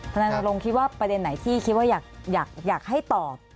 นายโรงคิดว่าประเด็นไหนที่คิดว่าอยากให้ตอบ